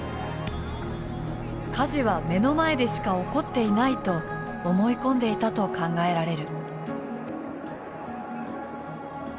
火事は目の前でしか起こっていないと思い込んでいたと考えられる。